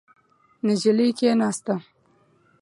نجلۍ کېناسته.